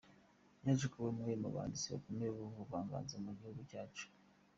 Yaje kuba umwe mu banditsi bakomeye b’ubuvanganzo mu gihugu cyacu.